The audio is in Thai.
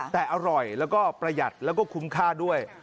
แต่อร่อยแล้วก็ประหยัดแล้วก็คุ้มค่าด้วย